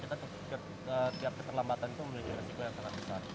kita setiap keterlambatan itu memiliki resiko yang sangat besar